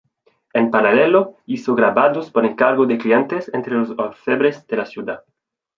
En paralelo, hizo grabados por encargo de clientes entre los orfebres de la ciudad.